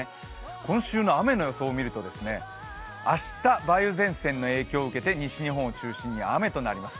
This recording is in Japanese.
今週の雨の予想を見ると、明日、梅雨前線の影響を受けて西日本を中心に雨となります。